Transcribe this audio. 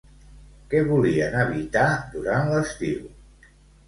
Què volien evitar durant l'estiu?